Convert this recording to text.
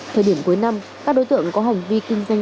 thời điểm cuối năm các đối tượng có hành vi kinh doanh